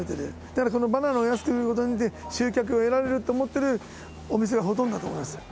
だからそのバナナを安く売ることによって、集客を得られると思ってるお店がほとんどだと思いますよ。